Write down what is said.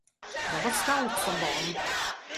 Jag var scout som barn.